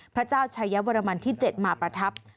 พระเจ้าชายวรมันที่๗มาประทับ